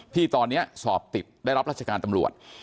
ที่ตอนนี้สอบติดได้รับราชการตำรวจ